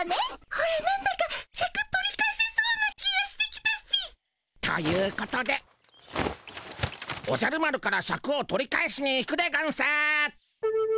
オラなんだかシャク取り返せそうな気がしてきたっピ。ということでおじゃる丸からシャクを取り返しに行くでゴンス。